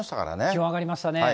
気温上がりましたね。